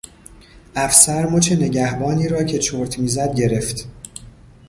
افسر مچ نگهبانی را که چرت میزد گرفت.